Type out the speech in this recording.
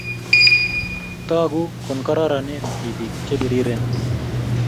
Togu konkororonen tibik che biriren